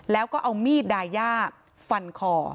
แล้วก็เอามีดดายาฟันคอ